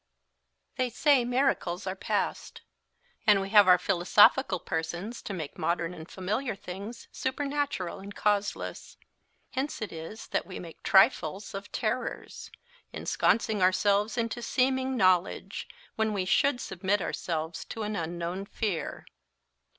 "They say miracles are past; and we have our philosophical persons to make modern and familiar things supernatural and causeless. Hence it is that we make trifles of terrors; ensconcing ourselves into seeming knowledge, when we should submit ourselves to an unknown fear."